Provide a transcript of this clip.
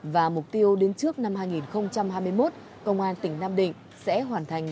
và mục tiêu đến trước năm hai nghìn hai mươi một công an tỉnh nam định sẽ hoàn thành